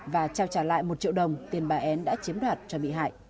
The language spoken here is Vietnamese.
và trao trả lại một triệu đồng tiền bà en đã chiếm đoạt cho bị hại